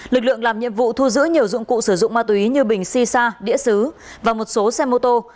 lực lượng làm nhiệm vụ thu giữ nhiều dụng cụ sử dụng ma túy như bình xì xa đĩa xứ và một số xe mô tô